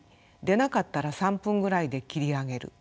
出なかったら３分ぐらいで切り上げる。